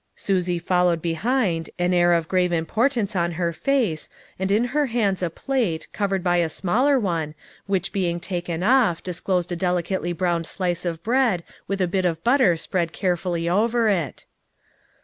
Susie followed behind, an air of grave importance on her face, and in her hands a plate, covered by a smaller one, which being taken off disclosed a delicately browned slice of bread with a bit of butter spread carefully over it.